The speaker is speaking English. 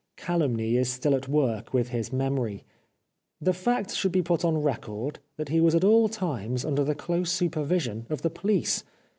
Calumny is still at work with his memory. The fact should be put on record that he was at all times under the close supervision of the police.